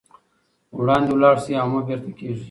وړاندې لاړ شئ او مه بېرته کېږئ.